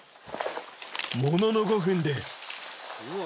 ものの５分でうわ